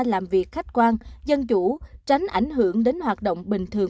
làm việc khách quan dân chủ tránh ảnh hưởng đến hoạt động bình thường